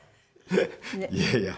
いやいや